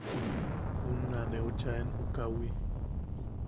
Unna neu chaaen u kawi.